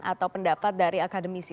atau pendapat dari akademisi